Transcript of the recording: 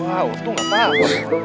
wah waktu gak apa apa